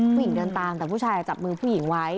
เดินตามแต่ผู้ชายจับมือผู้หญิงไว้